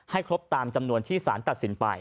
ครบตามจำนวนที่สารตัดสินไป